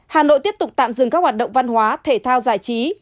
hà nội tiếp tục tạm dừng các hoạt động văn hóa thể thao giải trí